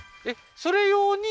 それ用に？